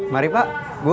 mari pak bu